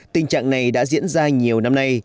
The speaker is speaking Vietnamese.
tình trạng này đã diễn ra nhiều năm nay